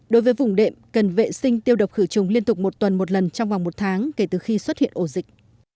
đối với vùng đệm cần vệ sinh tiêu độc khử trùng liên tục một tuần một lần trong vòng một tháng kể từ khi xuất hiện ổ dịch